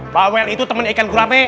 bawel itu temen ikan gurame